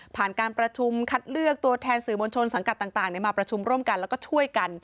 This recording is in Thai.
การประชุมคัดเลือกตัวแทนสื่อมวลชนสังกัดต่างมาประชุมร่วมกันแล้วก็ช่วยกัน